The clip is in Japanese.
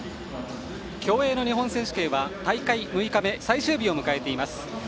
競泳の日本選手権は大会６日目最終日を迎えています。